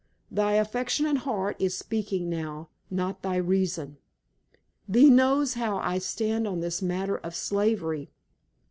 Thy affectionate heart is speaking now, not thy reason. Thee knows how I stand on this matter of slavery.